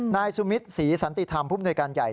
นายสุมิตรศรีสันติธรรมผู้มนวยการใหญ่